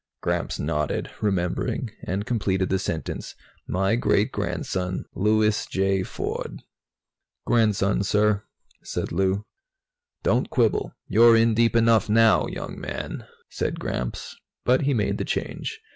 Gramps nodded, remembering, and completed the sentence "my great grandson, Louis J. Ford." "Grandson, sir," said Lou. "Don't quibble. You're in deep enough now, young man," said Gramps, but he made the change.